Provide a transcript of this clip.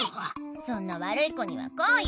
そんな悪い子にはこうよ！